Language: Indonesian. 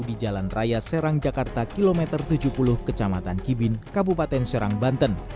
di jalan raya serang jakarta kilometer tujuh puluh kecamatan kibin kabupaten serang banten